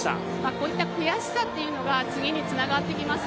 こういった悔しさが次につながってきます。